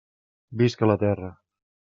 Visca la terra!